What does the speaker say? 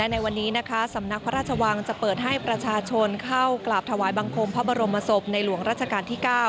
ในวันนี้สำนักพระราชวังจะเปิดให้ประชาชนเข้ากราบถวายบังคมพระบรมศพในหลวงราชการที่๙